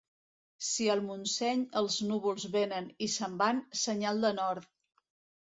Si al Montseny els núvols venen i se'n van, senyal de nord.